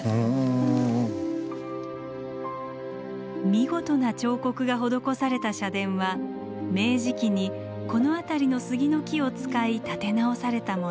見事な彫刻が施された社殿は明治期にこの辺りの杉の木を使い建て直されたもの。